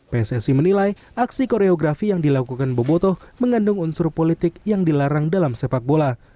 pssi menilai aksi koreografi yang dilakukan boboto mengandung unsur politik yang dilarang dalam sepak bola